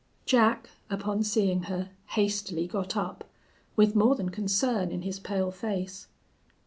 Jack, upon seeing her, hastily got up, with more than concern in his pale face.